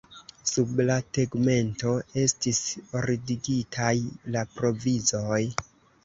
Sub la tegmento estis ordigitaj la provizoj.